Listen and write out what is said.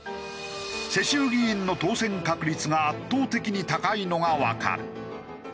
世襲議員の当選確率が圧倒的に高いのがわかる。